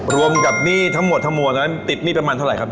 รวมกับหนี้ทั้งหมดติดหนี้ประมาณเท่าไหร่ครับ